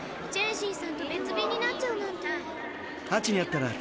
チェンシンさんと別便になっちゃうなんて。